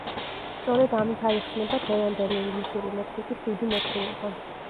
სწორედ ამით აიხსნება დღევანდელი ინგლისური ლექსიკის დიდი მოცულობა.